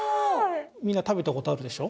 みんな食べたことあるでしょ？